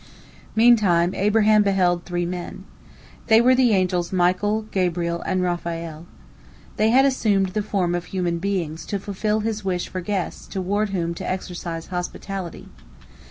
" Meantime Abraham beheld three men. They were the angels Michael, Gabriel, and Raphael. They had assumed the form of human beings to fulfil his wish for guests toward whom to exercise hospitality.